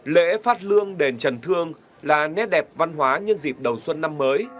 lễ phát lương đền trần thương là nét đẹp văn hóa nhân dịp đầu xuân năm mới